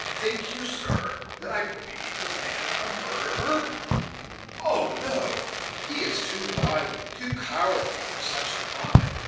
"Think you, sir, that I believe the man a murderer? Oh, no! he is too wily, too cowardly, for such a crime.